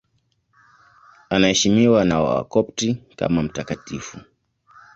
Anaheshimiwa na Wakopti kama mtakatifu.